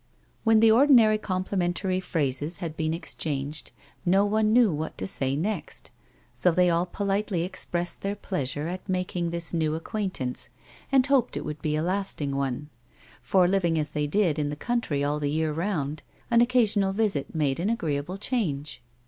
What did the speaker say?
When the ordinary complimentary phrases had been ex changed no one knew what to say next, so they all politely expressed their pleasure at making this new acquaintance and hoped it would be a lasting one ; for, living as they did in the country all the year round, an occasional visit made an agreeable change.